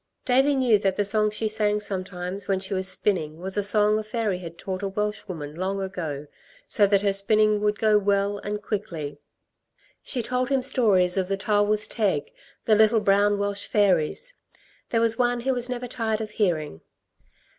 Davey knew that the song she sang sometimes when she was spinning was a song a fairy had taught a Welshwoman long ago so that her spinning would go well and quickly. She told him stories of the tylwyth teg the little brown Welsh fairies. There was one he was never tired of hearing.